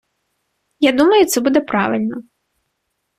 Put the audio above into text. Я думаю, це буде правильно.